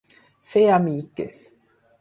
Fer a miques.